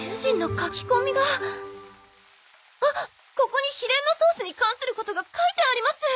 ここに秘伝のソースに関することが書いてあります！